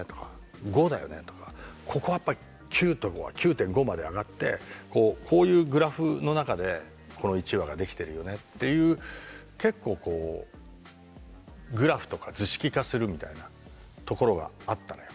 ここはやっぱり９とか９．５まで上がってこういうグラフの中でこの１話ができてるよねっていう結構こうグラフとか図式化するみたいなところがあったのよ。